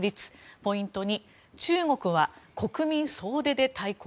ポイント２中国は国民総出で対抗？